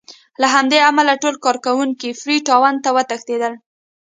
له همدې امله ټول کارکوونکي فري ټاون ته وتښتېدل.